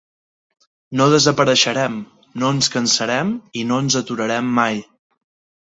No desapareixerem, no ens cansarem i no ens aturarem mai.